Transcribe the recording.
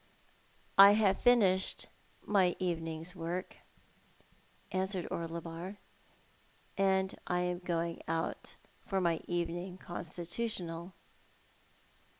•' I have finished my evening's work," answered Orlebar, " and I am going out for my evening constitutional."